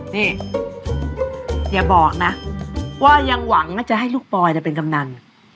นี่อย่าบอกนะว่ายังหวังว่าจะให้ลูกปอยเป็นกำนัน